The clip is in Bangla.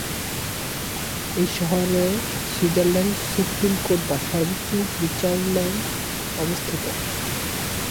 এই শহরে সুইজারল্যান্ডের সুপ্রিম কোর্ট বা সর্বোচ্চ বিচারালয় অবস্থিত।